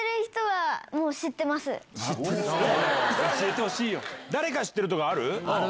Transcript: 教えてほしい。